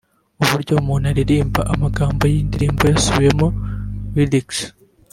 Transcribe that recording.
Uburyo umuntu aririmba amagambo y’indirimbo yasubiyemo (Lyrics)